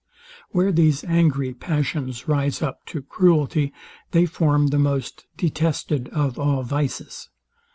Where these angry passions rise up to cruelty, they form the most detested of all vices.